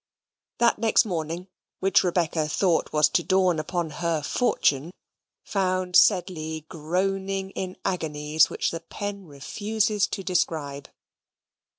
That next morning, which Rebecca thought was to dawn upon her fortune, found Sedley groaning in agonies which the pen refuses to describe.